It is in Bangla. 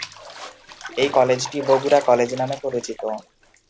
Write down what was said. এই কলেজটি "বগুড়া কলেজ" নামে পরিচিত।